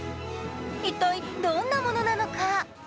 一体どんなものなのか。